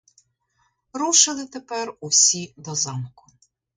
Рушили тепер усі до замку.